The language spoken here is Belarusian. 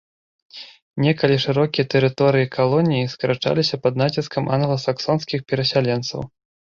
Некалі шырокія тэрыторыі калоніі скарачаліся пад націскам англасаксонскіх перасяленцаў.